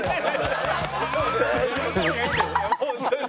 本当に。